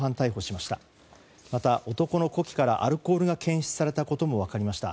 また、男の呼気からアルコールが検出されたことも分かりました。